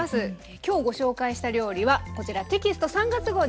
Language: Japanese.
今日ご紹介した料理はこちらテキスト３月号に掲載されています。